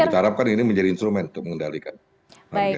yang ditarapkan ini menjadi instrumen untuk mengendalikan harga itu